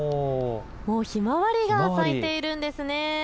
もうひまわりが咲いているんですね。